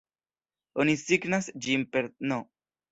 Oni signas ĝin per "n!